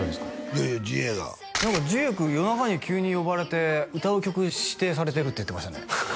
いやいや時英が何か時英君夜中に急に呼ばれて歌う曲指定されてるって言ってましたね